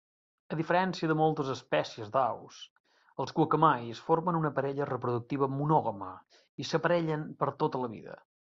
A diferència de moltes espècies d'aus, els guacamais formen una parella reproductiva monògama i s'aparellen per a tota la vida.